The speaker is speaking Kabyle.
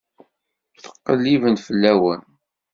Ttqelliben fell-awen.